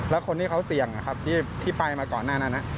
แล้วคนที่เขาเสี่ยงที่ไปมาก่อนหน้านั้น